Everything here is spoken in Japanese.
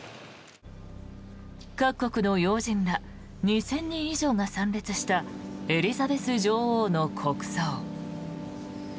各国の要人ら２０００人以上が参列したエリザベス女王の国葬。